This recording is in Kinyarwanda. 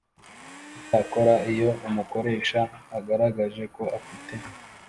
Icyakora iyo umukoresha agaragaje ko afite